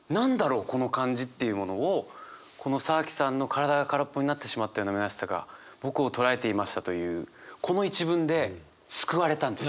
この感じっていうものをこの沢木さんの「体が空っぽになってしまったような虚しさが僕をとらえていました」というこの一文で救われたんですよ。